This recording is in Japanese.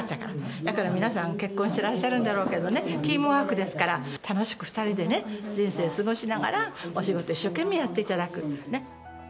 だから皆さん結婚していらっしゃるんだろうけどチームワークですから楽しく２人で人生過ごしながら、お仕事一生懸命やっていただく。